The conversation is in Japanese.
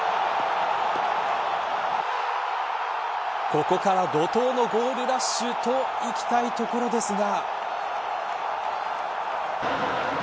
ここから怒とうのゴールラッシュといきたいところですが。